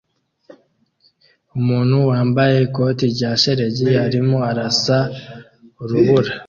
Umuntu wambaye ikoti rya shelegi arimo arasa urubura